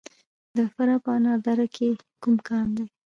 د فراه په انار دره کې کوم کان دی؟